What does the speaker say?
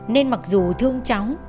nên mặc dù thương cháu